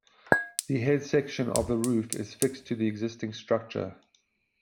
The head section of the roof is fixed to the existing structure.